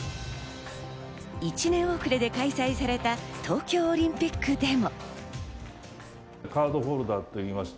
１年遅れで開催された東京オリンピックでも。